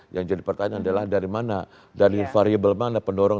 yang jadi pertanyaan adalah dari mana dari variable mana pendorong